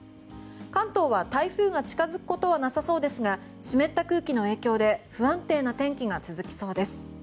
関東は台風が近づくことはなさそうですが湿った空気の影響で不安定な天気が続きそうです。